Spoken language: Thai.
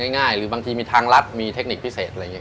ง่ายหรือบางทีมีทางรัฐมีเทคนิคพิเศษอะไรอย่างนี้